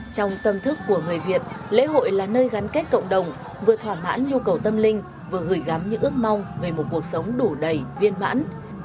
trong tâm thức của người việt lễ hội là nơi gắn kết cộng đồng vừa thỏa mãn nhu cầu tâm linh vừa gửi gắm những ước mong về một cuộc sống đủ đầy viên mãn